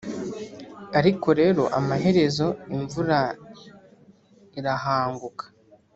ariko rero amaherezo imvura irahanguka